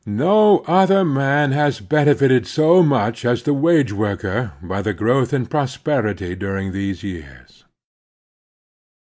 No other man has benefited so much as the wage worker by the growth in pros perity during these years.